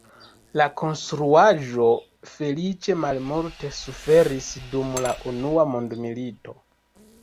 La konstruaĵo feliĉe malmulte suferis dum la Unua Mondmilito.